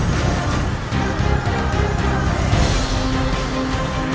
nyai pas akanray